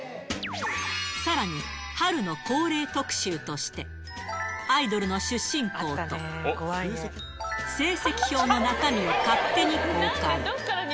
さらに、春の恒例特集として、アイドルの出身校と、成績表の中身を勝手に公開。